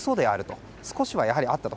やはり、少しはあったと。